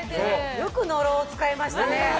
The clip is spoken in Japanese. よく野呂を使いましたね。